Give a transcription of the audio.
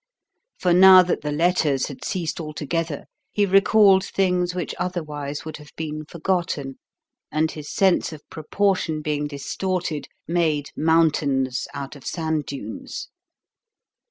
For now that the letters had ceased altogether, he recalled things which otherwise would have been forgotten; and, his sense of proportion being distorted, made mountains out of sand dunes.